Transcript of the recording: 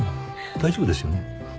大丈夫ですよ。